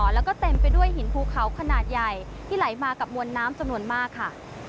แล้วก็เต็มไปด้วยหินภูเขาขนาดใหญ่ที่ไหลมากับมวลน้ำจำนวนมากค่ะ